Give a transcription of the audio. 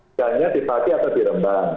misalnya di pati atau di rembang